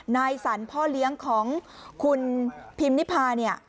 นายสรรพ่อเลี้ยงของคุณพิมนิพาเนี่ย